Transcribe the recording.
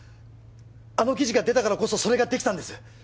あの記事が出たからこそそれができたんです